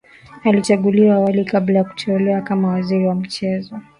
Alichaguliwa awali kabla ya kuteuliwa kama Waziri wa michezo